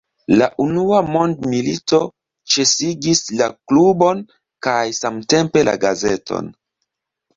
La unua mondmilito ĉesigis la klubon kaj samtempe la gazeton.